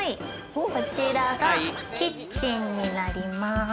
こちらがキッチンになります。